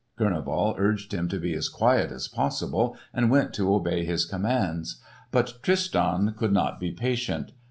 Kurneval urged him to be as quiet as possible, and went to obey his commands. But Tristan could not be patient.